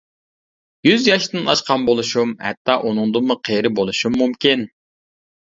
يۈز ياشتىن ئاشقان بولۇشۇم ھەتتا ئۇنىڭدىنمۇ قېرى بولۇشۇم مۇمكىن.